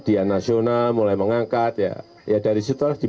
ini adalah ide yang paling tidak menghormati